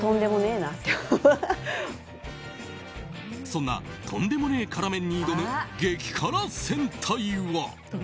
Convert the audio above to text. そんなとんでもねぇ辛麺に挑む激辛戦隊は。